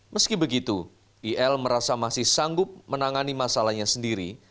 meski begitu il merasa masih sanggup menangani masalahnya sendiri